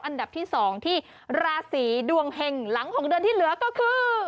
อันดับที่๒ที่ราศีดวงเห็งหลังของเดือนที่เหลือก็คือ